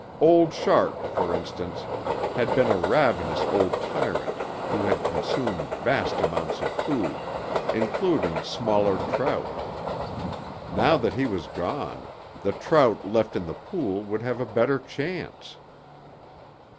Old Shark, for instance, had been a ravenous old tyrant who had consumed vast amounts of food, including smaller trout; now that he was gone, the trout left in the pool would have a better chance.